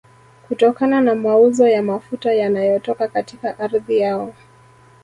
kutokana na mauzo ya mafuta yanayotoka katika ardhi yao